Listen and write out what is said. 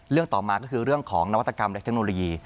ต่อมาก็คือเรื่องของนวัตกรรมและเทคโนโลยี